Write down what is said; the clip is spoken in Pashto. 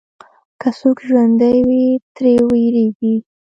که څوک ژوندی وي، ترې وېرېږي.